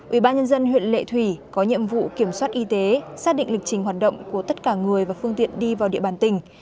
ủy ban nhân dân huyện lệ thủy có nhiệm vụ kiểm soát y tế xác định lịch trình hoạt động của tất cả người và phương tiện đi vào địa bàn tỉnh